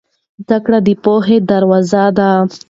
زده کړه د پوهې دروازه ده.